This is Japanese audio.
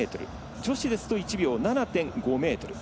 女子ですと１秒７．５ｍ。